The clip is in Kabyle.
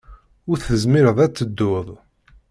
Ur tezmireḍ ad tedduḍ.